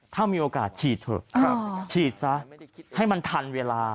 ถ้ามีโอกาสฉีดเถอะฉีดซะให้มันทันเวลา